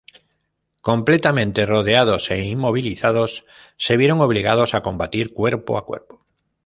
Completamente rodeados e inmovilizados, se vieron obligados a combatir cuerpo a cuerpo.